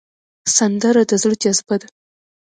سندره د زړه جذبه ده